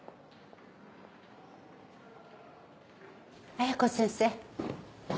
綾子先生。